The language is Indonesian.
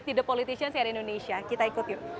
di the politician sehat indonesia kita ikut yuk